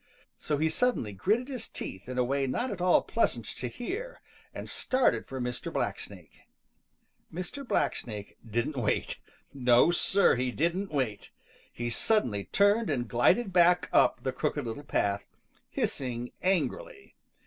So he suddenly gritted his teeth in a way not at all pleasant to hear and started for Mr. Blacksnake. Mr. Blacksnake didn't wait. No, Sir, he didn't wait. He suddenly turned and glided back up the Crooked Little Path, hissing angrily.